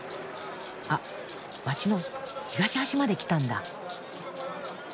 あっ街の東端まで来たんだ。